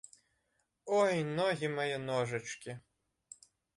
Ой, ногі мае, ножачкі!